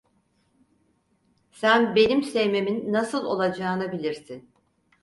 Sen benim sevmemin nasıl olacağını bilirsin…